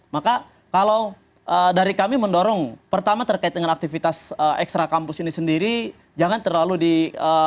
maka kalau dari kami mendorong pertama terkait dengan aktivitas ekstra kampus ini sendiri jangan terlalu dikekang di dalam kampus